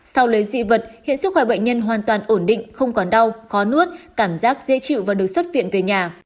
sau lấy dị vật hiện sức khỏe bệnh nhân hoàn toàn ổn định không còn đau khó nuốt cảm giác dễ chịu và được xuất viện về nhà